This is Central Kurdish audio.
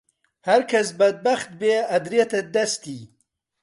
هەرکەس بەدبەخت بێ ئەدرێتە دەستی